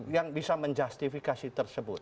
yang bisa menjustifikasi tersebut